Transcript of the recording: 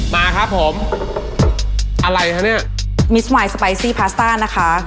มาครับผมอะไรคะเนี่ยมิสมายสไปซี่พาสต้านะคะ